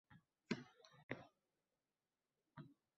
Yuragim taka–puka bo`layozdi